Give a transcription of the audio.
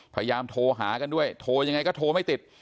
พยายามโทรหากันด้วยโทรยังไงก็โทรไม่ติด